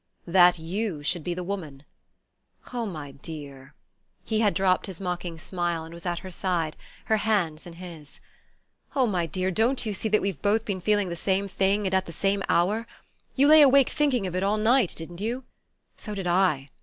"That you should be the woman. Oh, my dear!" He had dropped his mocking smile, and was at her side, her hands in his. "Oh, my dear, don't you see that we've both been feeling the same thing, and at the same hour? You lay awake thinking of it all night, didn't you? So did I.